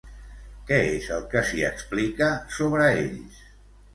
Què és el que s'hi explica sobre ells?